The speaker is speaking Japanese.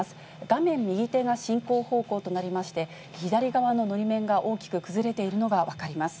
画面右手が進行方向となりまして、左側ののり面が大きく崩れているのが分かります。